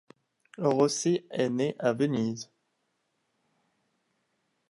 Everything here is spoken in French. Rossi est né à Venise.